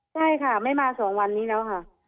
ใช่ค่ะไม่มา๒วันนี้แล้วค่ะ